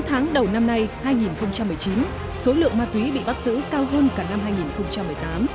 sáu tháng đầu năm nay hai nghìn một mươi chín số lượng ma túy bị bắt giữ cao hơn cả năm hai nghìn một mươi tám